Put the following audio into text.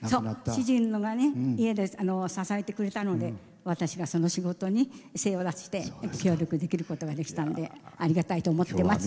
主人が家で支えてくれたので私が、その仕事に精を出して協力することができたのでありがたいと思ってます。